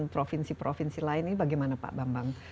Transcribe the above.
provinsi provinsi lain ini bagaimana pak bambang